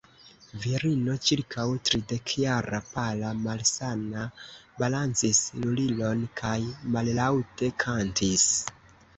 Virino ĉirkaŭ tridekjara, pala, malsana, balancis lulilon kaj mallaŭte kantis.